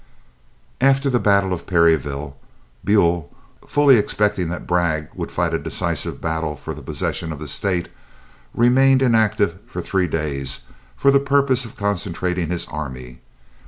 After the battle of Perryville, Buell, fully expecting that Bragg would fight a decisive battle for the possession of the state, remained inactive for three days for the purpose of concentrating his army.